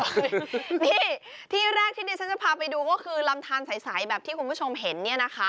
นี่ที่แรกที่ดิฉันจะพาไปดูก็คือลำทานใสแบบที่คุณผู้ชมเห็นเนี่ยนะคะ